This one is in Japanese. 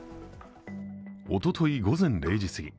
おととい午前０時過ぎ。